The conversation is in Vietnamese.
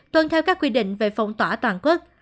tuân theo các quy định về phong tỏa toàn quốc